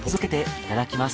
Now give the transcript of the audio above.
いただきます。